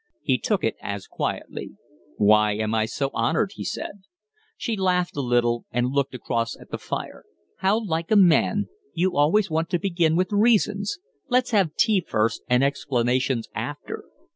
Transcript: He took it as quietly. "Why am I so honored?" he said. She laughed a little and looked across at the fire. "How like a man! You always want to begin with reasons. Let's have tea first and explanations after."